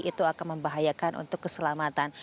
itu akan membahayakan untuk keselamatan